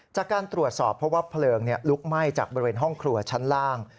จากการตรวจสอบเพราะว่าเพลิงลุกไหม้จากบริเวณห้องครัวชั้นล่าง